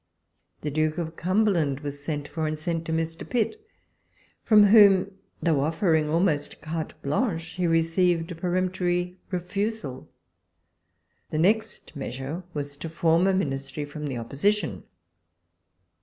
The Duke of Cumberland was sent for, and was sent to Mr. Pitt, from whom, though offering almost carte h}anrhi\ he received a ))eremptory refusal. The next measure was to form a Ministry from the Opposition.